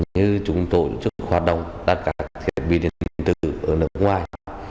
như chúng tôi chức hoạt động đặt các cái biến tử ở nước ngoài